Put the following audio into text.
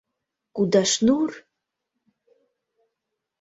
Кудашнур...